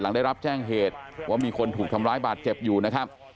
ได้รับแจ้งเหตุว่ามีคนถูกทำร้ายบาดเจ็บอยู่นะครับ